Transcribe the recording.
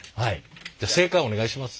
じゃ正解お願いします。